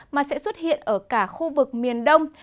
mà sẽ xuất hiện ở cả khu vực miền đông